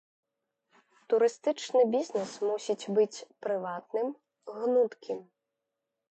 Турыстычны бізнес мусіць быць прыватным, гнуткім.